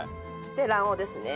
で卵黄ですね。